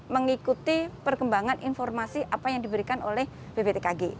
mengikuti perkembangan informasi apa yang diberikan oleh bptkg